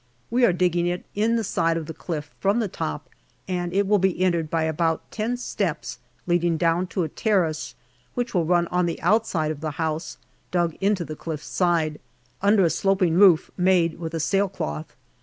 We are digging it in the side of the cliff, from the top, and it will be entered by about ten steps leading down on to a terrace, which will run on the outside of the house, dug into the cliff's side, under a sloping roof made with a sailcloth.